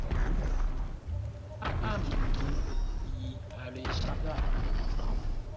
A məngyě yi a lə jí ghâa.